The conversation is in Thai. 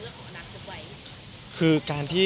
คือคุณมองเรื่องของอนาคตุกไว้